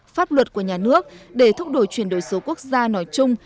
pháp luật của nhà nước để thúc đổi chuyển đổi số quốc gia nói chung